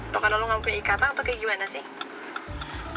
mungkin lo gak mau punya ikatan atau kayak gimana sih